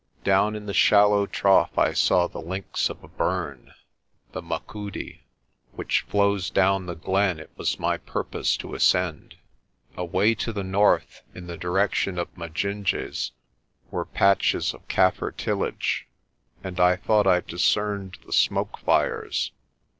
Down in the shallow trough I saw the links of a burn, the Machudi, which flows down the glen it was my purpose to ascend. Away to the north in the direction of Majinje's were patches of Kaffir tillage, and I thought I discerned the smoke fires.